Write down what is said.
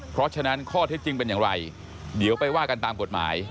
เพราะฉะนั้นข้อเท็จจริงเป็นอย่างไรเดี๋ยวไปว่ากันตามกฎหมาย